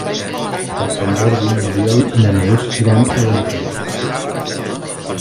Per Sant Jordi n'Oriol i na Neus iran a Benifaió.